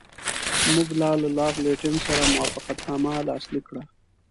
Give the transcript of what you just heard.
موږ له لارډ لیټن سره موافقتنامه لاسلیک کړه.